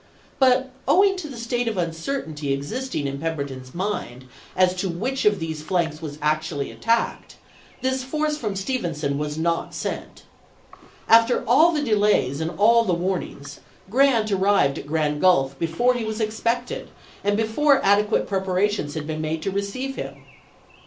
But owing to the state of uncertainty existing in Pemberton's mind as to which of his flanks was actually attacked, this force from Ste venson was not sent. After all the delays and all the warnings, Grant arrived at Grand Gulf before he was expected, and before adequate preparations had been made to receive him.